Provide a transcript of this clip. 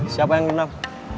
siapa yang dendam